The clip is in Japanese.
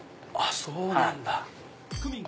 そうなんだ。